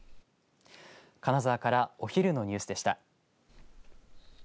金沢からお昼のニュースでした。